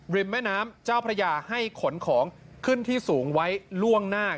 แม่น้ำเจ้าพระยาให้ขนของขึ้นที่สูงไว้ล่วงหน้า